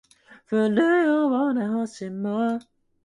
A United States post office opened there the same year.